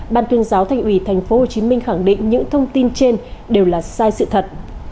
ban tuyên giáo thành ủy thành phố hồ chí minh khẳng định những thông tin trên đều là sai sự thật